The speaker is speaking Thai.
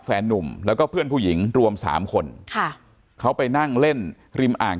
นุ่มแล้วก็เพื่อนผู้หญิงรวมสามคนค่ะเขาไปนั่งเล่นริมอ่าง